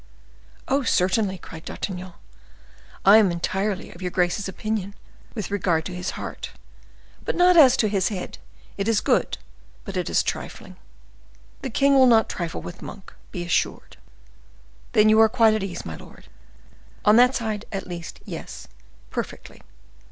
"Oh! certainly," cried D'Artagnan. "I am entirely of your grace's opinion with regard to his heart, but not as to his head—it is good, but it is trifling." "The king will not trifle with Monk, be assured." "Then you are quite at ease, my lord?" "On that side, at least! yes, perfectly!"